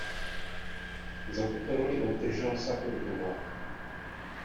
Za tuto roli obdržel Saturn Award.